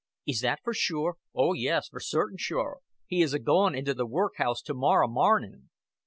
"Is that for sure?" "Oh, yes, for certain sure. He is a goin' into workhouse to morrow maarning."